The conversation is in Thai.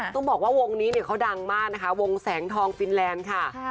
ต้องบอกว่าวงนี้เนี่ยเขาดังมากนะคะวงแสงทองฟินแลนด์ค่ะ